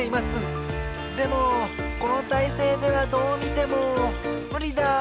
でもこのたいせいではどうみてもむりだ。